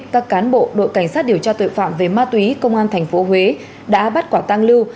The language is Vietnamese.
các cán bộ đội cảnh sát điều tra tội phạm về ma túy công an tp huế đã bắt quả tang lưu